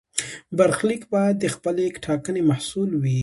برخلیک باید د خپلې ټاکنې محصول وي.